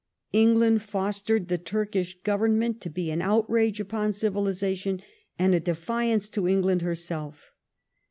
England fostered the Turkish Government to be an outrage upon civilization and a defiance to England herself.